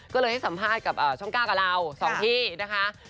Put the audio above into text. ก็เลยให้สัมภาษณ์กับช่อง๙กับเรา๒ที่นะคะ